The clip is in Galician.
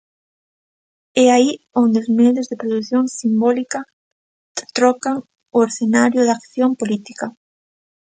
É aí onde os medios de produción simbólica trocan o escenario da acción política.